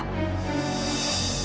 kalau perlu seumur hidup